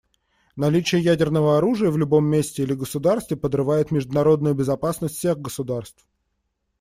Наличие ядерного оружия в любом месте или государстве подрывает международную безопасность всех государств.